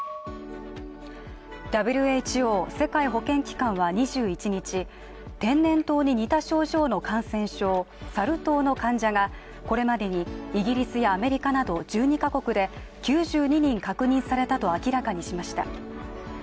ＷＨＯ＝世界保健機関は２１日、天然痘に似た症状の感染症、サル痘の患者がこれまでにイギリスやアメリカなど１２カ国で９２人確認されたと明らかにしました。